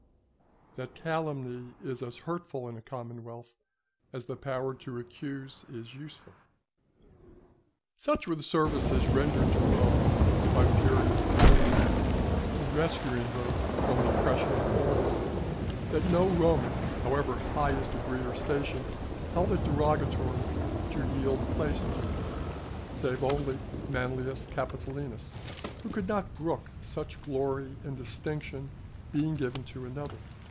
—That Calumny is as hurtful in a Commonwealth as the power to accuse is useful. Such were the services rendered to Rome by Furius Camillus in rescuing her from the oppression of the Gauls, that no Roman, however high his degree or station, held it derogatory to yield place to him, save only Manlius Capitolinus, who could not brook such glory and distinction being given to another.